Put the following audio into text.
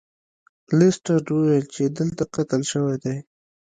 لیسټرډ وویل چې دلته قتل شوی دی.